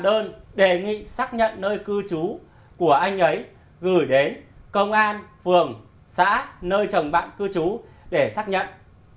đơn đề nghị xác nhận nơi cư trú của anh ấy gửi đến công an phường xã nơi chồng bạn cư trú để xác nhận